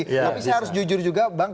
tapi saya harus jujur juga bang